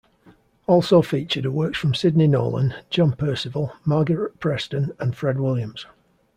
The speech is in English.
Also featured are works from Sidney Nolan, John Perceval, Margaret Preston and Fred Williams.